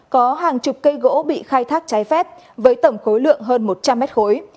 có hàng chục cây gỗ bị khai thác trái phép với tổng khối lượng hơn một trăm linh mét khối